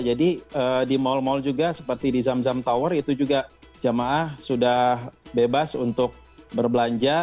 jadi di mall mall juga seperti di zamzam tower itu juga jamaah sudah bebas untuk berbelanja